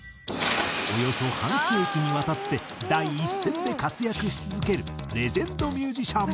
およそ半世紀にわたって第一線で活躍し続けるレジェンドミュージシャン。